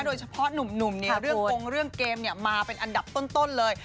โดยเฉพาะหนุ่มเรื่องโกงเรื่องเกมเนี่ยมาเป็นอันดับต้นเลย